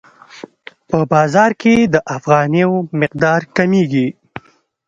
په بازار کې د افغانیو مقدار کمیږي.